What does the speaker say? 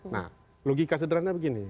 nah logika sederhana begini